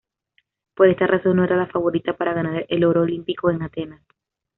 Por esta razón no era la favorita para ganar el oro olímpico en Atenas.